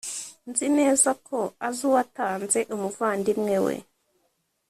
nzi neza ko azi uwatanze umuvandimwe we